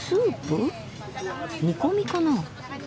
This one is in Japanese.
煮込みかな？